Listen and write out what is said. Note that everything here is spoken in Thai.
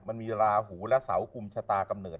มันมีราหูและเสากลุ่มชะตากำเนิด